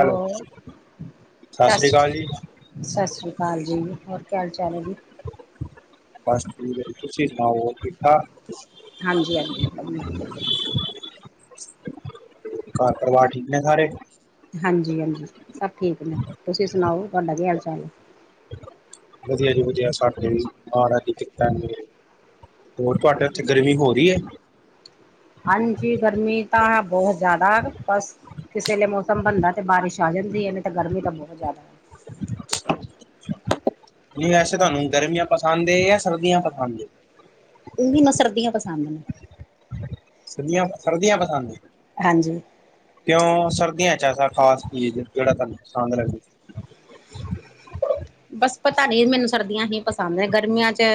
Hello ਸਤ ਸ੍ਰੀ ਅਕਾਲ ਸਤਿ ਸ੍ਰੀ ਅਕਾਲ ਜੀ ਹੋਰ ਕਿਆ ਹਾਲ ਚਾਲ ਹੈ ਜੀ ਬਸ ਠੀਕ ਹੈ ਤੁਸੀਂ ਸੁਣਾਓ ਠੀਕ ਠਾਕ ਹਾਂਜੀ ਹਾਂਜੀ ਘਰ ਪਰਿਵਾਰ ਠੀਕ ਨੇ ਸਾਰੇ ਹਾਂਜੀ ਹਾਂਜੀ ਸਭ ਠੀਕ ਨੇ ਤੁਸੀਂ ਸੁਣਾਓ ਤੁਹਾਡਾ ਕੀ ਹਾਲ ਚਾਲ ਹੈ। ਵਧੀਆ ਜੀ ਵਧੀਆ ਸਾਡੇ ਵੀ ਮਹਾਰਾਜ ਦੀ ਕਿਰਪਾ ਹੈ। ਹੋਰ ਤੁਹਾਡੇ ਉੱਥੇ ਗਰਮੀ ਹੋ ਰਹੀ ਹੈ। ਹਾਂਜੀ ਗਰਮੀ ਤਾਂ ਹੈ ਬਹੁਤ ਜ਼ਿਆਦਾ ਬਸ। ਅਤੇ ਵੇਲੇ ਮੌਸਮ ਬਣਦਾ ਤਾਂ ਬਾਰਿਸ਼ ਆ ਜਾਂਦੀ ਹੈ ਨਹੀਂ ਤਾਂ ਗਰਮੀ ਤਾਂ ਬਹੁਤ ਜ਼ਿਆਦਾ। ਅੱਛਾ ਨਹੀਂ ਵੈਸੇ ਤੁਹਾਨੂੰ ਗਰਮੀਆਂ ਪਸੰਦ ਏ ਜਾਂ ਸਰਦੀਆਂ ਪਸੰਦ। ਉਹ ਵੀ ਮੈਂ ਸਰਦੀਆਂ ਪਸੰਦ ਨੇ। ਸਰਦੀਆਂ- ਸਰਦੀਆਂ ਪਸੰਦ। ਹਾਂਜੀ ਕਿਉਂ ਸਰਦੀਆਂ ਚ' ਐਸਾ ਖਾਸ ਚੀਜ਼ ਜਿਹੜਾ ਤੁਹਾਨੂੰ ਪਸੰਦ ਲਏ। ਬਸ ਪਤਾ ਨਹੀਂ ਮੈਨੂੰ ਸਰਦੀਆਂ ਹੀ ਪਸੰਦ ਹੈ ਗਰਮੀਆਂ ਚ'।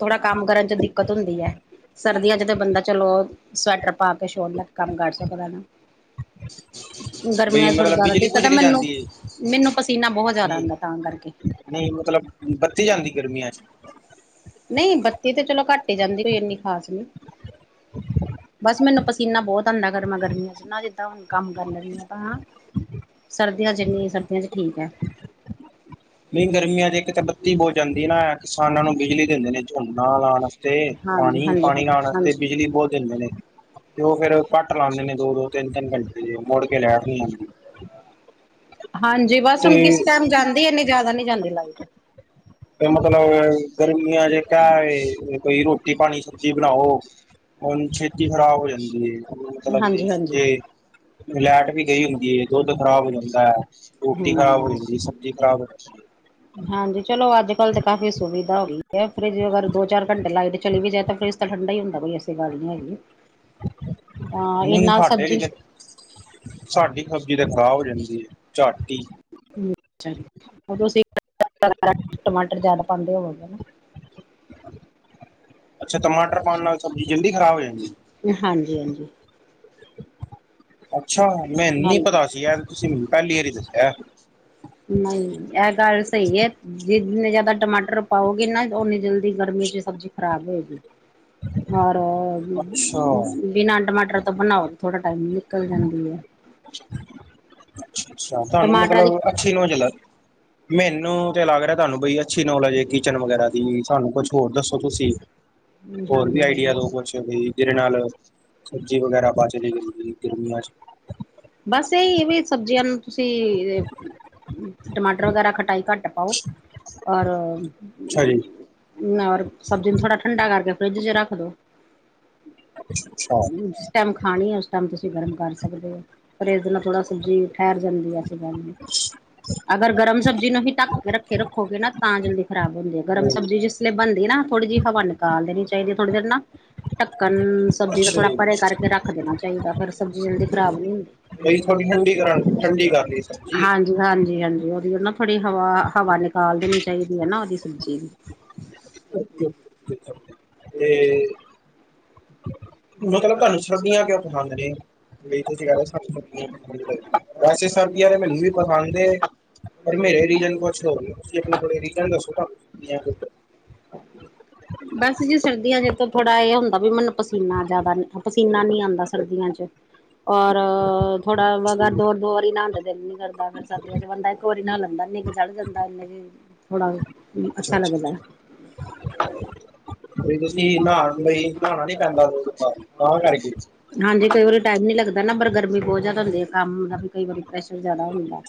ਥੋੜਾ ਕੰਮ ਕਰਨ ਚ' ਦਿੱਕਤ ਹੁੰਦੀ ਹੈ। ਸਰਦੀਆਂ ਚ' ਤਾਂ ਬੰਦਾ ਚਲੋ ਸਵੈਟਰ ਪਾ ਕੇ ਛੋੜ ਲੈ ਕੇ ਕੰਮ ਕਰ ਸਕਦਾ ਨਾ। ਬਈ ਗਰਮੀਆਂ ਥੋੜ੍ਹੀ ਮਤਲਬ ਜਿਆਦਾ ਬਿਜਲੀ ਦਿੱਕਤ ਹੈ। ਬੁਜਲੀ ਮੈਨੂੰ ਜਾਂਦੀ ਏ ਮੈਨੂੰ ਪਸੀਨਾ ਬਹੁਤ ਜਿਆਦਾ ਨਹੀਂ ਆਉਂਦਾ। ਤਾਂ ਕਰਕੇ ਅੱਜ ਨਹੀਂ ਬੱਤੀ ਤੇ ਚਲੋ ਘੱਟ ਹੀ ਜਾਂਦੀ ਕੋਈ ਇਨੀ ਖ਼ਾਸ ਨਹੀਂ। ਬਸ ਮੈਨੂੰ ਪਸੀਨਾ ਬਹੁਤ ਆਉਂਦਾ ਗਰਮਾ- ਗਰਮੀਆਂ ਚ' ਨਾ ਜਿੱਦਾਂ ਹੁਣ ਕੰਮ ਕਰ ਲੈਂਦੀ ਹਾ। ਤਾਂ ਸਰਦੀਆਂ ਚ' ਇੰਨੀ ਸਰਦੀਆਂ ਚ 'ਠੀਕ ਹੈ। ਨਹੀਂ ਗਰਮੀਆਂ ਚੇ ਇੱਕ ਤਾਂ ਬੱਤੀ ਬਹੁਤ ਜਾਂਦੀ ਨਾ। ਕਿਸਾਨਾਂ ਨੂੰ ਬਿਜਲੀ ਦਿੰਦੇ ਨੇ ਝੰਣਾ ਲਾਉਣ। ਤੇ ਹਾਂਜੀ ਪਾਣੀ- ਹਾਂਜੀ ਪਾਣੀ ਲਾਉਣ ਹਾਂਜੀ ਵਾਸਤੇ ਹਾਂਜੀ ਬਿਜਲੀ ਬਹੁਤ ਦਿੰਦੇ ਨੇ। ਤੇ ਉਹ ਫੇਰ ਘੱਟ ਲਾਉਂਦੇ ਨੇ ਦੋ- ਦੋ ਘੰਟੇ ਕ ਜ ਮੋੜ ਕੇ ਲਿਆ। ਹਾਂਜੀ ਬਸ ਕਿਸ ਤੇ ਟਮ ਜਾਂਦੀ। ਇਨੀ ਜ਼ਿਆਦਾ ਨਹੀਂ ਜਾਂਦੀ ਲਾਈਟ। ਮਤਲਬ ਗਰਮੀਆਂ ਜ ਕ ਕੋਈ ਰੋਟੀ -ਪਾਣੀ ਸਬਜ਼ੀ ਬਣਾਓ। ਹੁਣ ਛੇਤੀ ਖ਼ਰਾਬ ਹੋ ਜਾਂਦੀ ਹੈ। ਮਤਲਬ ਹਾਂਜੀ ਇਸ ਹਾਂਜੀ ਤੇ ਲੈਟ ਵੀ ਗਈ ਹੁੰਦੀ। ਦੁੱਧ ਖਰਾਬ ਹੋ ਜਾਂਦਾ। ਰੋਟੀ ਖਰਾਬ ਹੋ ਜਾਂਦੀ ਹੈ। ਸਬਜ਼ੀ ਖਰਾਬ ਹੋ ਜਾਂ ਹ ਹਾਂਜੀ। ਚਲੋ, ਅੱਜ ਕੱਲ੍ਹ ਤਾਂ ਕਾਫ਼ੀ ਸੁਵਿਧਾ ਹੋ ਗਈ ਹੈ ਫਰਿਜ ਅਗਰ ਦੋ -ਚਾਰ ਘੰਟੇ ਲਾਈਟ ਚਲੀ ਵੀ ਜਾਏ ਤਾਂ ਫਰਿਜ ਤਾਂ ਠੰਡਾ ਹੀ ਹੁੰਦਾ। ਕੋਈ ਐਸੀ ਗੱਲ ਨੀ ਹੈਗੀ। ਤਾਂ ਨਹੀਂ ਇਹਨਾ ਸਾਡੇ ਲਈ ਸਬਜ਼ੀ ਤੇ ਸਾਡੀ ਸਬਜ਼ੀ ਤੇ ਖਰਾਬ ਹੋ ਜਾਂਦੀ ਹੈ ਝਾਟੀ। ਉ ਅਸੀਂ ਟਮਾਟਰ ਜਿਆਦਾ ਪਾਉਂਦੇ ਹੋਵਾਂਗੇ। ਅੱਛਾ, ਟਮਾਟਰ ਪਾਉਣ ਨਾਲ ਸਬਜ਼ੀ ਜਲਦੀ ਖ਼ਰਾਬ ਹੋ ਜਾਂਦੀ। ਹਾਂਜੀ- ਹਾਂਜੀ। ਅੱਛਾ। ਮੈਨ ਹਾਂਜੀ ਪਤਾ ਸੀ ਯਾਰ ਤੁਸੀਂ ਪਹਿਲੀ ਵਾਰੀ ਦੱਸਿਆ। ਨਹੀਂ, ਇਹ ਗੱਲ ਸਹੀ ਹੈ। ਜਿੰਨੇ ਜਿਆਦਾ ਟਮਾਟਰ ਪਾਓਗੇ ਨਾ ਓਨੀ ਜਲਦੀ ਗਰਮੀ ਚ' ਸਬਜ਼ੀ ਖਰਾਬ ਹੋਏਗੀ। ਔਰ ਅੱਛਾ ਬਿਨਾਂ ਟਮਾਟਰ ਤੋਂ ਬਣਾਓ ਥੋੜਾ ਟਾਈਮ ਨਿਕਲ ਜਾਂਦੀ ਹੈ। ਅੱ ਤੁਹਾਨੂੰ ਟਮਾਟਰਾਂ ਦੀ ਮਤਲਬ ਅੱਛੀ ਨਜ ਲ ਮੈਨੂੰ ਤੇ ਲੱਗ ਰਿਹਾ। ਤੁਹਾਨੂੰ ਬਈ ਅੱ ਅ ਨੌਲਜ ਹੈ ਕਿਚਨ ਵਗੈਰਾ ਦੀ ਸਾਨੂੰ ਕੁਛ ਹੋਰ ਦੱਸੋ। ਤੁਸੀਂ ਹੋਰ ਵੀ ਹਾਂਜੀ ਹਾਂ ਆਈਡੀਆ ਦਓ ਕੁਛ। ਜਿਹਦੇ ਨਾਲ ਸਬਜ਼ੀ ਵਗੈਰਾ ਬੱਚ ਜਾਂ ਗਰਮੀਆਂ ਚ'। ਬਸ ਇਹੀ ਵੀ ਸਬਜ਼ੀਆਂ ਨੂੰ ਤੁਸੀਂ ਟਮਾਟਰ ਵਗੈਰਾ ਖਟਾਈ ਘੱਟ ਪਾਓ। ਔਰ ਅੱਛਾ ਜੀ ਰ ਸਬਜ਼ੀ ਨੂੰ ਥੋੜਾ ਠੰਡਾ ਕਰਕੇ ਫਰਿੱਜ ਚ' ਰੱਖ ਦੋ। ਅੱਛਾ। ਜਿਸ ਟਾਈਮ ਖਾਣੀ। ਉਸ ਟਾਈਮ ਤੁਸੀਂ ਗਰਮ ਕਰ ਸਕਦੇ ਹੋ ਪਰ ਇਸਦੇ ਨਾਲ ਥੋੜਾ ਸਬਜ਼ੀ ਠਹਿਰ ਜਾਂਦੀ ਹੈ। ਜ [inaudible] ਅਗਰ ਗਰਮ ਸਬਜ਼ੀ ਨੂੰ ਹੀ ਢੱਕ ਕੇ ਰੱਖੇ ਰੱਖੋਗੇ ਨਾ ਤਾਂ ਜਲਦੀ ਖ਼ਰਾਬ ਹੁੰਦੀ ਹੈ। ਗਰਮ ਸਬਜ਼ੀ ਜਿਸ ਬਣਦੀ ਨਾ ਥੋੜ੍ਹੀ ਜਿਹੀ ਹਵਾ ਨਿਕਾਲ ਦੇਣੀ ਚਾਹੀਦੀ। ਥੋੜੀ ਦੇਰ ਨਾ ਢੱਕਣ ਸਬਜ਼ੀ ਦਾ ਅੱਛਾ ਥੋੜਾ ਜੀ ਪਰੇ ਕਰਕੇ ਰੱਖ ਦੇਣਾ ਚਾਹੀਦਾ। ਫਿਰ ਸਬਜ਼ੀ ਜਲਦੀ ਖਰਾਬ ਨੀ ਬਈ ਥੋੜੀ ਹੁੰਦੀ। ਠੰਡੀ ਕਰਾ ਠੰਡੀ ਕਰ ਲਈ ਸਬਜ਼ੀ ਹਾਂਜੀ। ਹਾਂਜੀ- ਹਾਂਜੀ ਉਹਦੀ ਨਾ ਥੋੜੀ ਹਵਾ -ਹਵਾ ਨਿਕਾਲ ਦੇਣੀ ਚਾਹੀਦੀ ਹੈ ਨਾ ਉਹਦੀ ਸਬਜ਼ੀ ਦੀ। ਅੱ [inaudible] [inaudible] ਤੇ ਮਤਲਬ ਤੁਹਾਨੂੰ ਸਰਦੀਆਂ ਕਿਉਂ ਪਸੰਦ ਨੇ। ਕਈ ਤੁਸੀਂ ਕਹਿ ਰਹੇ ਸਾਨੂੰ [inaudible] ਵੈਸੇ ਸਰਦੀਆਂ ਤੇ ਮੈਨੂੰ ਵੀ ਪਸੰਦ ਏ। ਮੇਰੇ ਰੀਜਨ ਕੁਛ ਹੋ ਤੁਸੀਂ ਆਪਣੇ ਕੋਲ ਰੀਜਨ ਦੱਸੋ ਤੁਹਾਨੂੰ ਸਰਦੀਆਂ ਕਿਉ ਪ ਬਸ ਜੀ ਸਰਦੀਆਂ 'ਚ ਥੋੜਾ ਇਹ ਹੁੰਦਾ ਵੀ ਮੈਨੂੰ ਪਸ ਪਸੀਨਾ ਜ਼ਿਆਦਾ ਪਸੀਨਾ ਨਹੀਂ ਆਉਂਦਾ ਸਰਦੀਆਂ 'ਚ ਔਰ ਥੋੜਾ ਵਗਰ ਪਸੰਦ ਨੇ? ਦੋਰ-ਦੋਰ ਹੀ ਨਹਾਂ ਦਾ ਦਿਲ ਨੀ ਕਰਦਾ ਫੇਰ ਸਰਦੀਆਂ 'ਚ ਬੰਦਾ ਇਕੋ ਵਾਰੀ ਨਹਾ ਲੈਦਾਂ ਨਿੱਘ ਚੜ ਜਾਂਦਾ ਇਨਾ 'ਚ ਥੋੜਾ ਅੱਛਾ ਲੱਗਦਾ। ਬਈ ਤੁਸੀ ਨਹਾ ਬਈ ਨਹਾਣਾ ਨੀ ਪੈਂਦਾ [unintelligible] ਤਾਂ ਕਰਕੇ ਹਾਂਜੀ ਕਈ ਵਾਰੀ ਟਾਈਮ ਨੀ ਲੱਗਦਾ ਨਾ ਪਰ ਗਰਮੀ ਬਹੁਤ ਜ਼ਿਆਦਾ ਹੁੰਦੀ ਹੈ ਕੰਮ ਦਾ ਵੀ ਕਈ ਵਾਰੀ ਪ੍ਰੈਸ਼ਰ ਜ਼ਿਆਦਾ ਹੁੰਦਾ।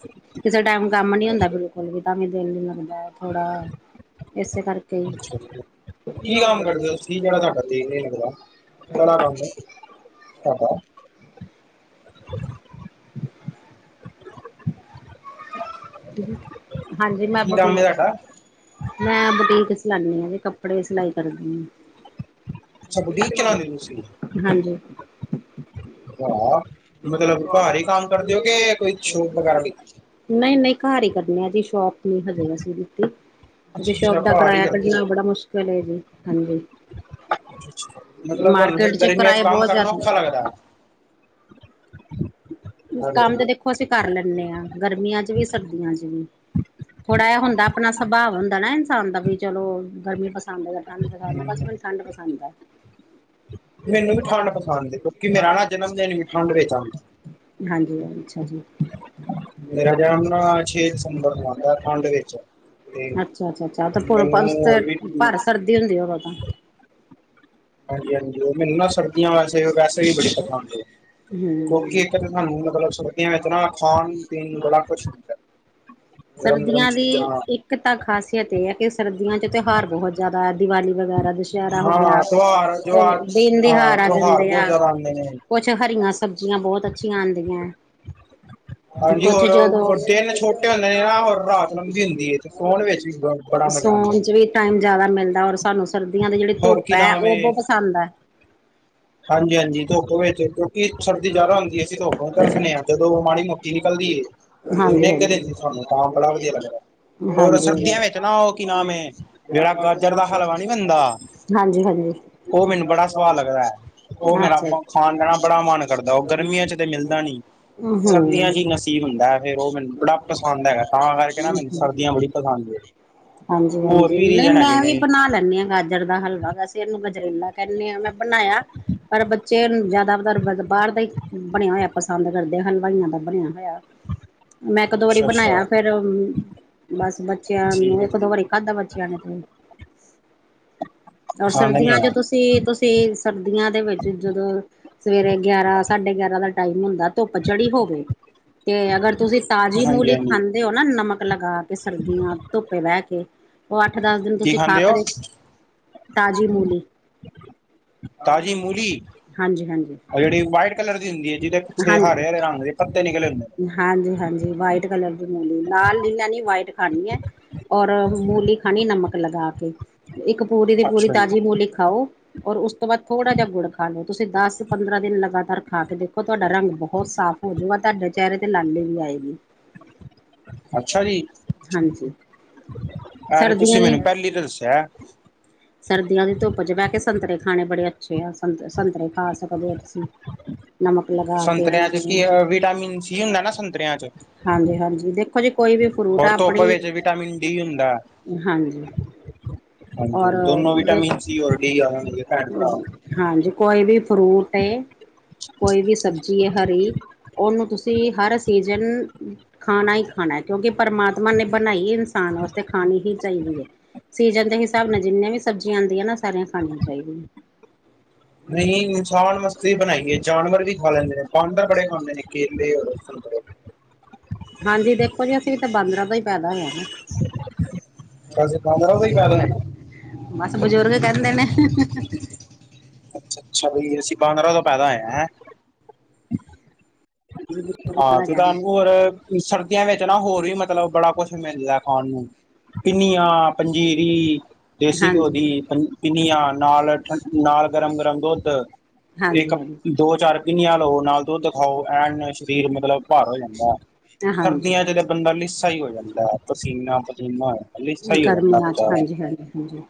ਕਿਸੇ ਟਾਈਮ ਕੰਮ ਨੀ ਹੁੰਦਾ ਬਿਲਕੁਲ ਵੀ ਤਾਂ ਵੀ ਦਿਲ ਨੀ ਲੱਗਦਾ ਥੋੜਾ ਇਸੇ ਕਰਕੇ ਹੀ ਕੀ ਕੰਮ ਕਰਦੇ ਹੋ ਤੁਸੀ ਜਿਹੜਾ ਤੁਹਾਡਾ ਟਾਈਮ ਨਹੀਂ ਲੱਗਦਾ ਕਿਹੜਾ ਕੰਮ ਏ ਤੁਹਾਡਾ [inaudible] ਹਾਂਜੀ ਮੈਂ ਕੀ ਕੰਮ ਏ ਬਟੀਕ ਤੁਹਾਡਾ? ਮੈਂ ਬੁਟੀਕ ਚਲਾਂਨੀ ਆਂ ਜੇ ਕੱਪੜੇ ਸਿਲਾਈ ਕਰਦੀ ਆਂ। ਅੱਛਾ ਬੁਟੀਕ ਚਲਾਉਂਦੇ ਹੋ ਤੁਸੀਂ? ਹਾਂਜੀ [unintelligible] [unintelligible] ਘਰ ਹੀ ਕੰਮ ਕਰਦੇ ਹੋ ਕਿ ਕੋਈ ਸ਼ੋਪ ਵਗੈਰਾ ਵੀ? ਨਹੀਂ -ਨਹੀਂ ਘਰ ਹੀ ਕਰਨੇ ਆ ਜੀ ਸ਼ੋਪ ਨ ਹਜੇ ਅਸੀਂ ਲਿੱਤੀ। ਬੀ ਸ਼ੋਪ ਅੱਛਾ-ਅੱਛਾ ਦਾ ਘਰ ਹੀ ਕਿਰਾਇਆ ਕਰਦੇ ਹੋ। ਕੱਢਣਾ ਬੜਾ ਮੁਸ਼ਕਿਲ ਜੀ ਹਾਂਜੀ। ਮਤਲਬ ਤੁਹਾਨੂੰ ਫਿਰ ਮਾਰਕੀਟ 'ਚ ਗਰਮੀਆਂ ਕਿਰਾਏ ਕੰਮ ਬਹੁਤ ਕਰਨਾ ਔਖਾ ਜ਼ਿਆਦਾ ਲੱਗਦਾ। ਕੰਮ ਤੇ ਦੇਖੋ ਅਸੀਂ ਕਰ ਲੈਂਣੇ ਆਂ ਗਰਮੀਆਂ 'ਚ ਵੀ ਸਰਦੀਆਂ 'ਚ ਵੀ ਥੋੜ੍ਹਾ ਇਹ ਹੁੰਦਾ ਆਪਣਾ ਸੁਭਾਵ ਹੁੰਦਾ ਨਾ ਇਨਸਾਨ ਦਾ ਵੀ ਚਲੋ। ਗਰਮੀ ਪਸੰਦ ਹੈ ਜਾਂ ਠੰਢ ਪਸੰਦ ਬਸ ਮੈਨੂੰ ਠੰਢ ਪਸੰਦ ਐ। ਮੈਨੂੰ ਵੀ ਠੰਡ ਪਸੰਦ ਹੈ ਕਿਉਂਕਿ ਮੇਰਾ ਨਾ ਜਨਮ ਦਿਨ ਵੀ ਠੰਡ ਵਿੱਚ ਆਂਦਾ। ਹਾਂਜੀ ਅੱਛਾ ਜੀ। ਮੇਰਾ ਜਨਮ ਨਾ ਛੇ ਦਸੰਬਰ ਨੂੰ ਆਂਦਾ ਠੰਡ ਵਿੱਚ ਤੇ ਅੱਛਾ- ਅੱਛਾ -ਅੱਛਾ ਮੈਨੂੰ ਉਸ ਤੇ ਹੋਰ ਵੀ ਭਰ ਸਰਦੀ ਹੁੰਦੀ ਉਹ ਤਾਂ ਹਾਂਜੀ -ਹਾਂਜੀ ਉਹ ਮੈਨੂੰ ਨਾ ਸਰਦੀਆਂ ਵੈਸੇ- ਵੈਸੇ ਵੀ ਬੜੀ ਪਸੰਦ ਏ। ਕੋਕੀ ਹੂੰ। ਇੱਕ ਤਾਂ ਸਾਨੂੰ ਮਤਲਬ ਸਰਦੀਆ ਵਿੱਚ ਨਾ ਖਾਣ ਪੀਣ ਬੜਾ ਕੁਛ ਹੁੰਦਾ। ਸਰਦੀਆਂ ਦੀ ਇੱਕ ਤਾਂ ਖ਼ਾਸੀਅਤ ਇਹ ਹੈ ਕਿ ਸਰਦੀਆਂ 'ਚ ਤਿਉਹਾਰ ਬਹੁਤ ਜ਼ਿਆਦਾ ਦੀਵਾਲੀ ਵਗੈਰਾ ਦੁਸਹਿਰਾ ਹੋ ਗਿਆ। ਹਾਂ ਤਿਉਹਾਰ ਹੋ ਜਵਾਰ ਦਿਨ ਹਾਂ ਦਿਹਾਰ ਆ ਤਿਉਹਾਰ ਜਾਂਦੇ ਆ ਬਹੁਤ ਜ਼ਿਆਦਾ ਆਂਦੇ ਨੇ। ਕੁਛ ਹਰੀਆਂ ਸਬ ਜ਼ੀਆਂ ਬਹੁਤ ਅੱਛੀਆਂ ਆਉਂਦੀਆਂ ਹਾਂਜੀ ਕੁੱਛ ਹੋਰ ਜਦੋਂ ਹੋਰ ਦਿਨ ਛੋਟੇ ਹੁੰਦੇ ਨੇ ਨਾ ਹੋਰ ਰਾਤ ਲੰਬੀ ਹੁੰਦੀ ਹੈ ਤੇ ਸੋਣ ਵਿੱਚ ਵੀ ਬ ਬੜਾ ਮਜ਼ਾ ਆਉਂਦਾ ਸੋਣ 'ਚ ਵੀ ਟਾਈਮ ਜਿਆਦਾ ਮਿਲਦਾ ਔਰ ਸਾਨੂੰ ਸਰਦੀਆਂ ਦੇ ਜਿਹੜੀ ਹੋਰ ਧੁੱਪ ਕੀ ਹੈ ਨਾਮ ਉਹ ਏ ਬਹੁਤ ਪਸੰਦ ਐ। ਹਾਂਜੀ ਹਾਂਜੀ ਧੁੱਪ ਵਿੱਚ ਕਿਉਂਕਿ ਸਰਦੀ ਜ਼ਿਆਦਾ ਹੁੰਦੀ ਹੈ ਅਸੀਂ ਧੁੱਪ ਨੂੰ ਤਰਸਨੇ ਹਾਂ ਜਦੋਂ ਮਾੜੀ ਮੋਟੀ ਨਿਕਲਦੀ ਏ [unintelligible] ਹਾਂਜੀ- ਨਿੱਘ ਹਾਂਜੀ ਤੇ ਸਾਨੂੰ ਤਾਂ ਬੜਾ ਵਧੀਆ ਲੱਗਦਾ। ਹੋਰ ਹਾਂਜੀ ਹਾਂਜੀ ਸਰਦੀਆਂ ਵਿੱਚ ਨਾ ਉਹ ਕੀ ਨਾਮ ਹੈ ਜਿਹੜਾ ਗਾਜਰ ਦਾ ਹਲਵਾ ਨੀ ਬਣਦਾ। ਹਾਂਜੀ ਹਾਂਜੀ ਉਹ ਮੈਨੂੰ ਬੜਾ ਸੁਵਾਦ ਲੱਗਦਾ ਹੈ। ਉਹ ਮੇਰਾ ਅੱਛਾ ਖਾਣ ਪੈ ਬੜਾ ਮਨ ਕਰਦਾ ਉਹ ਜੀ ਗਰਮੀਆਂ 'ਚ ਤੇ ਮਿਲਦਾ ਨੀ ਸਰਦੀਆਂ 'ਚ ਹੀ ਹਾਂਜੀ ਨਸੀਬ ਹੁੰਦਾ ਹੈ। ਫੇਰ ਉਹ ਮੈਨੂੰ ਬੜਾ ਪਸੰਦ ਹੈਗਾ। ਤਾਂ ਕਰਕੇ ਨਾ ਮੈਨੂੰ ਸਰਦੀਆਂ ਬੜੀ ਪਸੰਦ ਹੈ ਹੋਰ ਹਾਂਜੀ ਵੀ ਨਹੀਂ ਰੀਜ਼ਨ ਹੈਗੇ ਮੈਂ ਵੀ ਨੇ। ਬਣਾ ਲੈਂਣੈ ਹਾਂ ਗਾਜਰ ਦਾ ਹਲਵਾ ਵੈਸੇ ਇਹਨੂੰ ਗਜਰੇਲਾ ਕਹਿੰਦੇ ਹਾਂ ਮੈਂ ਬਣਾਇਆ। ਪਰ ਬੱਚੇ ਨੂੰ ਜ਼ਿਆਦਾਤਰ ਬਾਹਰ ਦਾ ਹੀ ਬਣਿਆ ਹੋਇਆ ਪਸੰਦ ਕਰਦੇ ਆ ਹਲਵਾਈਆਂ ਦਾ ਬਣਿਆ ਹੋਇਆ। ਮੈਂ ਇੱਕ ਦੋ ਵਾਰੀ ਅੱਛਾ-ਅੱਛਾ ਬਣਾਇਆ ਫੇਰ ਬਸ ਬੱਚਿਆਂ ਠੀਕ ਨੂੰ ਹੈ ਇੱਕ ਦੋ ਠੀਕ ਵਰੀ ਖਾਦਾ ਬੱਚਿਆਂ ਣੇ ਤੇ ਔਰ ਪਸੰਦ ਨੀ ਸਰਦੀਆਂ ਆਇਆ ਚ ਤੁਸੀਂ, ਤੁਸੀਂ ਸਰਦੀਆਂ ਦੇ ਵਿੱਚ ਜਦੋਂ। ਸਵੇਰੇ ਗਿਆਰਾਂ, ਸਾਢੇ ਗਿਆਰਾਂ, ਦਾ ਟਾਈਮ ਹੁੰਦਾ। ਧੁੱਪ ਚੜੀ ਹੋਵੇ। ਤੇ ਅਗਰ, ਤੁਸੀਂ ਤਾਜ਼ੀ ਮੂਲੀਕ ਹਾਂਜੀ-ਹਾਂਜੀ ਖਾਂਦੇ ਹੋ ਨਾ, ਨਮਕ ਲਗਾ ਕੇ, ਸਰਦੀਆਂ ਧੁੱਪੇ ਬਹਿ ਕੇ। ਉਹ ਅੱਠ, ਦਸ ਦਿਨ। ਕੀ ਤੁਸੀਂ ਖਾ ਖਾਂਦੇ ਹੋ ਕੇ, ਤਾਜ਼ੀ ਮੂਲੀ। ਤਾਜ਼ੀ ਮੂਲੀ? ਹਾਂਜੀ- ਹਾਂਜੀ। ਉਹ ਜਿਹੜੀ, ਵਾਈਟ ਕਲਰ ਦੀ ਹੁੰਦੀ। ਜਿਹਦੇ ਪਿੱਛੇ ਹਰੇ- ਹਰੇ, ਰੰਗ ਦੇ, ਪੱਤੇ ਨਿਕਲੇ ਹੁੰਦੇ ਨੇ। ਹਾਂਜੀ- ਹਾਂਜੀ। White colour. ਮੂਲੀ ਨਾਲ, ਨੀ ਲੈਣੀ। ਵਟ ਖਾਣੀ ਹੈ, ਔਰ ਮੂਲੀ ਖਾਣੀ, ਨਮਕ ਲਗਾ ਕੇ। ਇੱਕ, ਪੂਰੀ ਦੀ ਪੂਰੀ ਅੱਛਾ ਜੀ ਤਾਜ਼ੀ ਮੂਲੀ ਖਾਓ। ਔਰ ਉਸ ਤੋਂ, ਬਾਅਦ ਥੋੜਾ ਜਿਹਾ ਗੁੜ ਖਾ ਲੋ। ਤੁਸੀਂ ਦਸ, ਪੰਦਰਾਂ ਦਿਨ, ਲਗਾਤਾਰ ਖਾ ਕੇ ਦੇਖੋ। ਤੁਹਾਡਾ ਰੰਗ ਬਹੁਤ ਸਾਫ਼। ਹੋਜੂਗਾ। ਤੁਹਾਡੇ ਚਿਹਰੇ ਤੇ, ਲਾਲੀ ਵੀ ਆਏਗੀ। ਅੱਛਾ ਜੀ। ਹਾਂਜੀ। ਅ ਸਰਦੀਆਂ ਤੁਸੀਂ ਦੀ ਮੈਨੂੰ, ਪਹਿਲੀ ਤਾਂ ਦੱਸਿਆ। ਸਰਦੀਆਂ ਦੀ ਧੁੱਪ ਚ, ਬਹਿ ਕੇ ਸੰਤਰੇ ਖਾਣੇ। ਬੜੇ ਅੱਛੇ ਆ। ਸੰਤ ਸੰਤਰੇ ਖਾ ਸਕਦੇ ਹੋ ਤੁਸੀਂ। ਨਮਕ ਲਗਾ ਕੇ। ਜ ਸੰਤਰਿਆਂ ਹਾਂਜੀ- ਚ ਕੀ ਵਿਟਾਮਿਨ ਸੀ ਹੁੰਦਾ ਨਾ ਸੰਤਰਿਆਂ ਚ ਹਾਂਜੀ। ਦੇਖੋ ਜੀ, ਕੋਈ ਵੀ ਫਰੂਟ ਆ, ਹੋਰ ਧੁੱਪ ਆਪਣੀ। ਵਿੱਚ ਵਿਟਾਮਿਨ ਡੀ ਹੁੰਦਾ ਹਾਂਜੀ, ਹਾਂਜੀ ਔਰ ਦੋਨੋ ਦੇਖ। ਵਿਟਾਮਿਨ ਸੀ ਔਰ ਡੀ ਆ ਜਾਣਗੇ ਭੈਣ ਭਰਾ ਹਾਂਜੀ, ਕੋਈ ਵੀ ਫਰੂਟ ਏ। ਕੋਈ ਵੀ, ਸਬਜ਼ੀ ਹੈ ਹਰੀ। ਉਹਨੂੰ ਤੁਸੀਂ ਹਰ ਸੀਜ਼ਨ। ਖਾਣਾ ਹੀ ਖਾਣਾ ਹੈ। ਕਿਉਂਕਿ ਪਰਮਾਤਮਾ ਨੇ, ਬਣਾਈ ਇਨਸਾਨ ਵਾਸਤੇ। ਖਾਣੀ ਹੀ ਚਾਹੀਦੀ ਹੈ। ਸੀਜਨ ਦੇ, ਹਿਸਾਬ ਨਾਲ ਜਿੰਨੀਆਂ ਵੀ, ਸਬਜ਼ੀਆਂ ਆਉਂਦੀਆਂ ਨਾ। ਸਾਰੀਆਂ ਖਾਣੀਆਂ ਚਾਹੀਦੀਆਂ। ਰ [unintelligible] ਛਵਣ ਮਸ। ਵੀ ਬਣਾਈਏ, ਜਾਨਵਰ ਵੀ ਖਾ ਲੈਂਦੇ ਨੇ। ਬਾਂਵਰ ਬੜੇ ਖਾਂਦੇ ਨੇ ਕੇਲੇ ਔਰ ਸੰਤਰੇ। ਹਾਂਜੀ। ਦੇਖੋ ਜੀ, ਅਸੀਂ ਵੀ ਤਾਂ, ਬਾਂਦਰਾਂ ਦਾ ਹੀ ਪੈਦਾ ਹੋਇਆ ਨਾ। ਅਸੀਂ ਬਾਂਦਰਾਂ ਚੋਂ ਹੀ ਪੈਦਾ ਹੋਏ ਆਂ। ਬਸ ਬਜ਼ੁਰਗ, ਕਹਿੰਦੇ ਨੇ। ਅੱਛਾ- ਅੱਛਾ, ਬਣੀ ਅਸੀਂ, ਪੰਦਰਾਂ ਤੋਂ ਪੈਦਾ ਹੋਏ ਹ, ਹੈਂ। ਬਜ਼ੁਰਗਾਂ ਹਾਂ ਦਾ ਤੇ, ਕਹਿਣਾ ਤੁਹਾਨੂੰ ਹੋਰ ਸਰਦੀਆਂ ਵਿੱਚ ਨਾ, ਹੋਰ ਵੀ ਮਤਲਬ ਬੜਾ ਕੁਛ, ਮਿਲਦਾ ਖਾਣ ਨੂੰ। ਪਿੰਨੀਆਂ, ਪੰਜੀਰੀ ਦੇਸੀ ਘਓ ਹਾਂਜੀ ਦੀ‌। ਪਿੰਨੀਆਂ ਨਾਲ। ਨਾਲ ਗਰਮ- ਗਰਮ ਦੁੱਧ। ਹਾਂਜੀ ਇੱਕ ਦੋ, ਚਾਰ ਪਿੰਨੀਆਂ ਲਓ, ਨਾਲ ਦੁੱਧ। ਖਾਓ। ਐਨ ਸਰੀਰ ਮਤਲਬ, ਭਾਰ ਹੋ ਜਾਂਦਾ ਹੈ। ਹਾਂਜੀ ਹਾਂਜੀ ਸਰਦੀਆਂ ਚ ਬੰਦਾ, ਲੀਸਾ ਹੀ ਹੋ ਜਾਂਦਾ ਹੈ। ਪਸੀਨਾ- ਪਸੀਨਾ, ਲੀਸਾ ਹੀ ਹੋ, ਜਾਂਦਾ ਗਰਮੀਆਂ ਚ ਵਿਚਾਰਾ। ਹਾਂਜੀ ਹਾਂਜੀ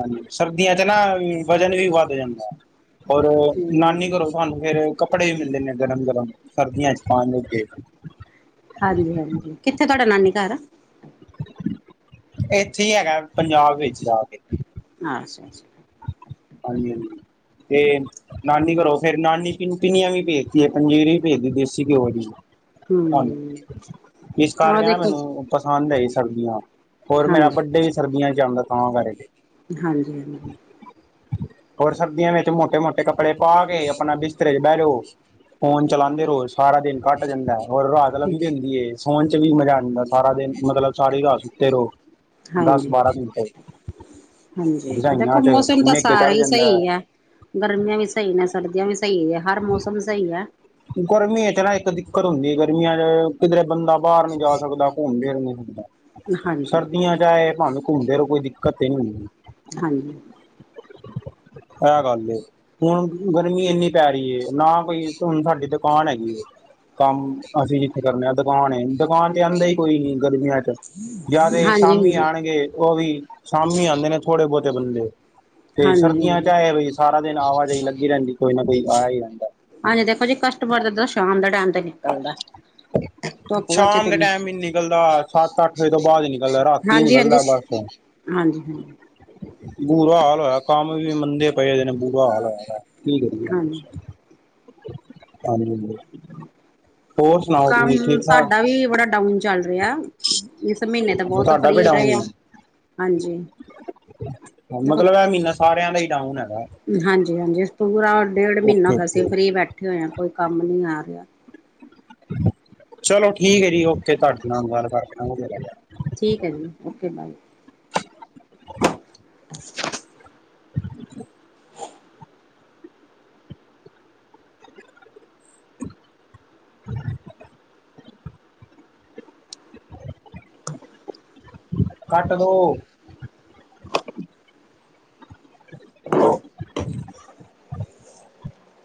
ਹਾਂਜੀ, ਸਰਬਦੀਆਂ ਚ ਨਾ। ਵਜ਼ਨ ਵੀ ਵੱਧ ਜਾਂਦਾ। ਔਰ, ਨਾਨੀ ਹਾਂਜੀ ਘਰੋ ਤੁਹਾਨੂੰ ਫੇਰ, ਕੱਪੜੇ ਵੀ ਮਿਲਦੇ ਨੇ। ਗਰਮ- ਗਰਮ ਸਰਦੀਆਂ ਚ ਪਾਨ। ਹਾਂਜੀ। ਹਾਂਜੀ- ਹਾਂਜੀ, ਕਿੱਥੇ ਤੁਹਾਡਾ ਨਾਨੀ ਘਰ। ਇੱਥੇ ਹੀ, ਹੈਗਾ ਪੰਜਾਬ ਵਿੱਚ ਜਾ ਕੇ। ਅੱਛਾ- ਅੱਛਾ। ਹਾਂਜੀ- ਹਾਂਜੀ। ਤੇ ਨਾਨੀ ਘਰੋਂ ਫੇਰ, ਨਾਨੀ ਪਿਨੀਆਂ ਵੀ, ਭੇਜਦੀ ਹੈ। ਪੰਜੀਰੀ ਵੀ, ਭੇਜਦੀ ਦੇਸੀ ਘਿਓ ਦੀ। ਹਾਂਜੀ, ਹਮ ਇਸ ਕਰ ਆਹ ਕ ਨਾ ਦੇਖੋ ਮੈਨੂੰ। ਪਸੰਦ ਹੈ ਜੀ ਸਰਦੀਆਂ। ਹੋਰ ਮੇਰਾ ਹਾਂਜੀ ਵੱਡੇ ਵੀ, ਸਰਦੀਆਂ ਚ ਆਉਦਾ ਤਾਂਹ ਕਰਕੇ। ਹਾਂਜੀ- ਹਾਂਜੀ। ਹੋਰ ਸਰਦੀਆਂ ਵਿੱਚ, ਮੋਟੇ- ਮੋਟੇ, ਕੱਪੜੇ ਪਾ ਕੇ। ਆਪਣਾ ਬਿਸਤਰੇ ਚ, ਬਹਿ ਜਾਓ। ਫੋਨ ਚਲਾਉਂਦੇ ਰਹੋ। ਸਾਰਾ ਦਿਨ ਘੱਟ ਜਾਂਦਾ ਹੈ। ਔਰ ਰਾਤ ਲੰਬੀ ਹੁੰਦੀ ਏ, ਸੋਨ ਚ ਵੀ ਮਜ਼ਾ ਆਉਂਦਾ। ਸਾਰਾਂ ਦਿਨ ਮਤਲਬ ਸਾਰੀ ਰਾਤ ਸੂੱਤੇ ਰੋ ਹਾਂਜੀ ਦੱਸ-ਬਾਰਾਂ ਘੰਟੇ। ਹਾਂਜੀ, ਰਜਾਈਆਂ ਦੇਖੋ 'ਚ ਮੌਸਮ ਤਾਂ ਨਿੱਘ ਸਾਰਾ ਚੜ ਈ ਜਾਂਦਾ। ਹੈ। ਸਈ ਐ, ਗਰਮੀਆਂ ਵੀ ਸਈ ਨੇ, ਸਰਦੀਆਂ ਵੀ ਸਈ ਐ, ਹਰ ਮੌਸਮ ਸਈ ਐ। ਗਰਮੀ ਇਚ ਨਾ ਇੱਕ ਦਿੱਕਤ ਹੁੰਦੀ ਗਰਮੀਆਂ ਚ ਕਿਧਰੇ ਬੰਦਾ ਬਾਰ ਨੀ ਜਾ ਸਕਦਾ, ਘੁੰਮ-ਫਿਰ ਨੀ ਸਕਦਾ। ਹਾਂਜੀ ਸਰਦੀਆਂ ਚ ਆਏ। ਭਾਵੇ ਘੁੰਮਦੇ ਰਹੋ, ਕੋਈ ਦਿੱਕਤ ਨਹੀਂ ਹੁੰਦੀ। ਹਾਂਜੀ। ਐ ਗੱਲ ਏ। ਹੁਣ ਗਰਮੀ ਇੰਨੀ ਪੈ ਰੀ ਏ, ਨਾ ਕੋਈ ਹੁਣ ਸਾਡੀ ਦੁਕਾਨ ਹੈਗੀ ਏ ਕੰਮ ਅਸੀਂ ਜਿੱਥੇ ਕਰਨੇ ਆ ਦੁਕਾਨ ਏ, ਦੁਕਾਨ ਚ ਆਂਦਾ ਈ ਕੋਈ ਨੀ ਗਰਮੀਆਂ ਚ। ਯਾਂ ਤੇ ਹਾਂਜੀ ਸ਼ਾਮੀ ਆਣਗੇ ਓ ਵੀ ਸ਼ਾਮੀ ਆਂਦੇ ਨੇ ਥੋੜੇ ਬੌਤੇ ਬੰਦੇ। ਤੇ ਸਰਦੀਆਂ ਚ ਹਾਂਜੀ ਐ ਏ ਬੇ ਸਾਰਾ ਦਿਨ ਆਵਾਜਾਈ ਲੱਗੀ ਰੈਂਦੀ ਕੋਈ ਨਾ ਕੋਈ ਆਯਾ ਈ ਰੈੰਦਾ। ਹਾਂਜੀ, ਦੇਖੋ ਜੀ ਕਸਟਮਰ ਦੇ ਤਾ ਸ਼ਾਮ ਦਾ ਟੈਮ ਤੇ ਨਿਕਲਦਾ। ਧੁੱਪ ਵਿਚ ਸ਼ਾਮ ਤੇ ਦੇ ਨੀ, ਟਾਈਮ ਹੀ ਨਿਕਲਦਾ ਸੱਤ ਅੱਠ ਵਜੇ ਤੋਂ ਬਾਅਦ ਹੀ ਨਿਕਲਦਾ ਰਾਤੀ ਹੀ ਹਾਂਜੀ-ਹਾਂਜੀ। ਨਿਕਲਦਾ ਬਸ ਹਾਂਜੀ-ਹਾਂਜੀ। ਬੁਰਾ ਹਾਲ ਹੋਇਆ ਕੰਮ ਵੀ ਮੰਨਦੇ ਪਏ ਦੇ ਨੇ ਬੁਰਾ ਹਾਲ ਹੋਇਆ ਦਾ, ਕੀ ਕਰੀਏ? ਹਾਂਜੀ [unintelligible] ਹੋਰ ਸੁਣਾਓ ਤੁਸੀਂ ਕੰਮ ਠੀਕ ਠਾਕ ਸਾਡਾ ਵੀ ਬੜਾ ਡਾਊਨ ਚੱਲ ਰਿਆ, ਇਸ ਮੀਨੇ ਤੇ ਬੌਤ ਤੁਹਾਡਾ ਫ੍ਰੀ ਵੀ ਡਾਊਨ ਰਏ ਹੀ ਆ, ਹਾਂਜੀ। ਮਤਲਬ ਐ ਮੀਹਨਾ ਸਾਰਿਆਂ ਦਾ ਈ ਡਾਊਨ ਹੈਗਾ। ਹਾਂਜੀ-ਹਾਂਜੀ, ਪੂਰਾ ਡੇਢ ਮਹੀਨਾ ਓਕੇ ਐਗਾ ਸੀ, ਅਸੀਂ ਓਕੇ ਫਰੀ ਬੈਠੇ ਹੋਏ ਆ ਕੋਈ ਕੰਮ ਨਈ ਆ ਰਿਆ। ਚਲੋ ਠੀਕ ਏ ਜੀ, ਓਕੇ ਤੁਆਡੇ ਨਾਲ ਗੱਲ ਕਰਕੇ ਨਾ ਵਦੀਆ ਲਗਿਆ। ਠੀਕ ਐ ਜੀ, ਓਕੇ ਬਾਏ। [inaudible] [inaudible] [inaudible] [inaudible] [inaudible] ਕੱਟ ਹੈਲੋ। ਦੋ [unintelligible]